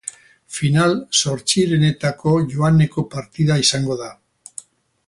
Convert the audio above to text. Final-zortzirenetako joaneko partida izango da.